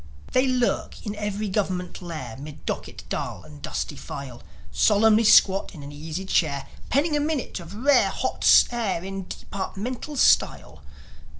They lurk in every Gov'ment lair, 'Mid docket dull and dusty file, Solemnly squat in an easy chair, Penning a minute of rare hot air In departmental style.